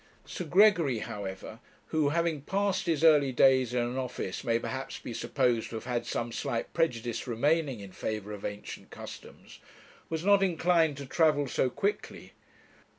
Sir Gregory, however, who, having passed his early days in an office, may, perhaps, be supposed to have had some slight prejudice remaining in favour of ancient customs, was not inclined to travel so quickly.